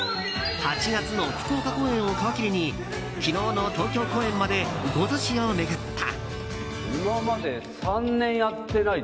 ８月の福岡公演を皮切りに昨日の東京公演まで５都市を巡った。